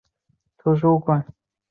国都定于尼尼微。